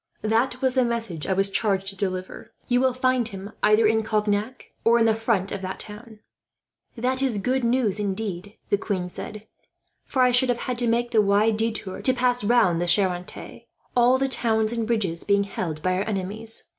That was the message I was charged to deliver. You will find him either in Cognac, or in front of that town." "That is good news, indeed," the queen said, "for I should have had to make a wide detour to pass round the Charente, all the towns and bridges being held by our enemies.